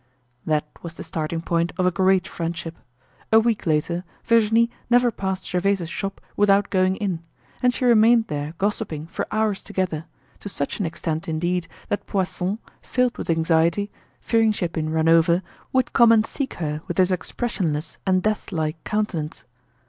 That was the starting point of a great friendship. A week later, Virginie never passed Gervaise's shop without going in; and she remained there gossiping for hours together, to such an extent indeed that Poisson, filled with anxiety, fearing she had been run over, would come and seek her with his expressionless and death like countenance.